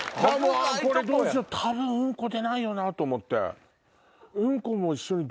これどうしよう多分うんこ出ないよなと思って。